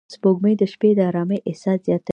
سپوږمۍ د شپې د آرامۍ احساس زیاتوي